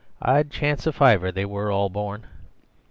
I'd chance a fiver they were all born."